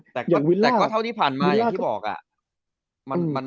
แต่ก็เท่าที่ผ่านมาอย่างที่บอกอ่ะ